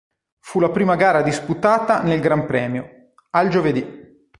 Fu la prima gara disputata nel gran premio, al giovedì.